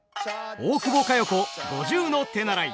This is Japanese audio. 大久保佳代子五十の手習い。